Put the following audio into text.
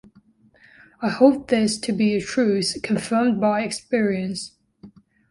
I hold this to be a truth confirmed by experience.